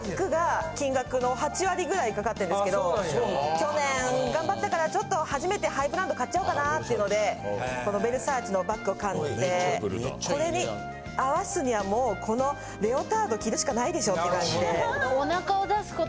去年頑張ったからちょっと初めてハイブランド買っちゃおうかなっていうのでこのヴェルサーチェのバッグを買ってこれに合わすにはもうこのレオタード着るしかないでしょって感じで。